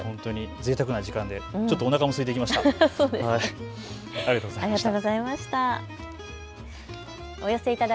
ぜいたくな時間でちょっとおなかもすいてきました。